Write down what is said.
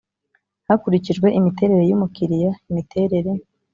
Hakurikijwe imiterere y umukiriya imiterere